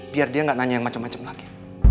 biar dia gak nanya yang macem macem lagi